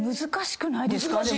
難しくないですか？